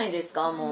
もう。